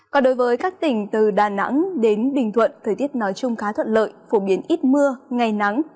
còn đối với các tỉnh từ đà nẵng đến bình thuận thời tiết nói chung khá thuận lợi phổ biến ít mưa ngày nắng